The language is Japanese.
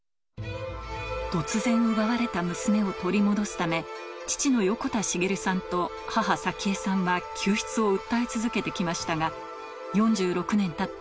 突然奪われた娘を取り戻すため、父の横田滋さんと母、早紀江さんは、救出を訴え続けてきましたが、４６年たった